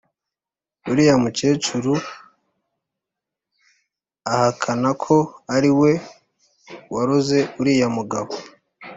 uriya mu kecuru ahakana ko ariwe waroze uriya mugabo